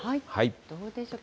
どうでしょう。